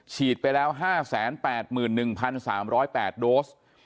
ฉีดไปแล้ว๕๘๑๓๐๘โดส